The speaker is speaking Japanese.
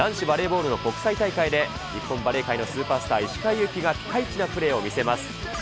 男子バレーボールの国際大会で、日本バレー界のスーパースター、石川祐希がピカイチなプレーを見せます。